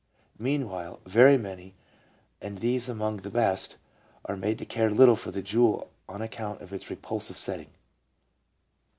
Meanwhile, very many, and these among the best, are made to care little for the jewel on account of its repulsive setting.